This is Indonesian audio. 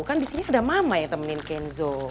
kan di sini ada mama yang temenin genzo